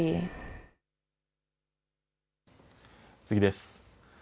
次です。